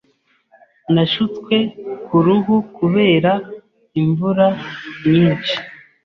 Nashutswe ku ruhu kubera imvura nyinshi.